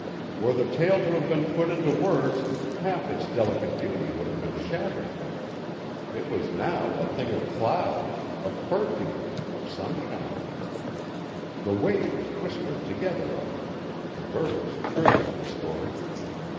Were the tale to have been put into words half its delicate beauty would have been shattered. It was now a thing of clouds, of perfume, of sunshine. The waves whispered together of it; the birds trilled the story.